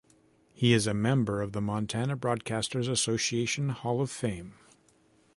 He is a member of the Montana Broadcaster's Association Hall of Fame.